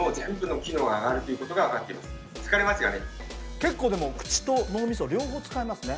結構でも口と脳みそ両方使いますね。